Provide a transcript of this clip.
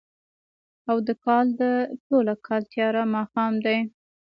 او د کال، د ټوله کال تیاره ماښام دی